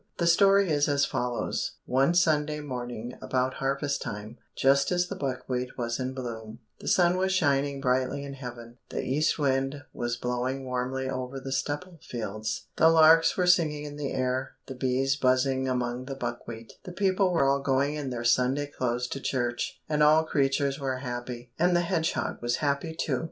The story is as follows. One Sunday morning about harvest time, just as the buckwheat was in bloom, the sun was shining brightly in heaven, the east wind was blowing warmly over the stubble fields, the larks were singing in the air, the bees buzzing among the buckwheat, the people were all going in their Sunday clothes to church, and all creatures were happy, and the hedgehog was happy too.